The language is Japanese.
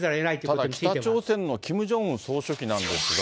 ただ、北朝鮮のキム・ジョンウン総書記なんですが。